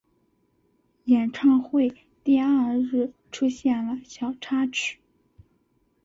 演唱会第二日出现了小插曲。